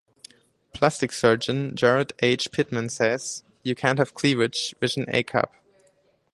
Plastic surgeon Gerard H. Pitman says, you can't have cleavage with an A cup.